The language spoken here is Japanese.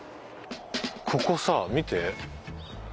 ここさ見て。